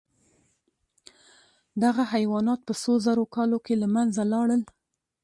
دغه حیوانات په څو زرو کالو کې له منځه لاړل.